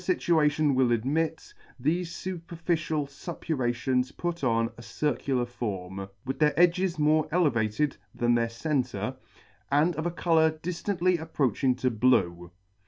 are [ 5 ] are affeftied, if the fituation will admit, thefe fu perficial fuppurations put on a circular form, with their edges more elevated than their centre, and of a colour diftantly approaching to blue.